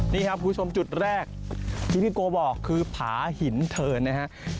นี่ครับคุณผู้ชมจุดแรกที่พี่โกบอกคือผาหินเทินนะครับ